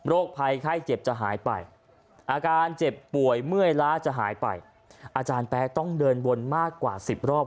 ภัยไข้เจ็บจะหายไปอาการเจ็บป่วยเมื่อยล้าจะหายไปอาจารย์แป๊กต้องเดินวนมากกว่า๑๐รอบ